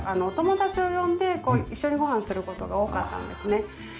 お友達を呼んで一緒にご飯する事が多かったんですね。